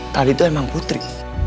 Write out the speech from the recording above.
tadi itu emang putri